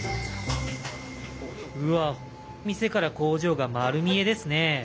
うわっ店から工場が丸見えですね。